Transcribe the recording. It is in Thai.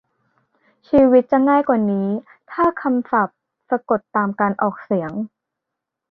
ชีวิตจะง่ายกว่านี้ถ้าคำศัพท์สะกดตามการออกเสียง